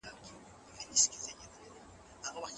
برغم زاهد خودبین شراب ناب زدم